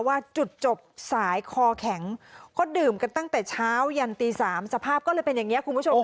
ว่าจุดจบสายคอแข็งเขาดื่มกันตั้งแต่เช้ายันตี๓สภาพก็เลยเป็นอย่างนี้คุณผู้ชม